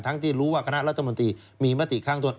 ที่รู้ว่าคณะรัฐมนตรีมีมติข้างตัว